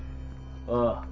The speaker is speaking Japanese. ・ああ。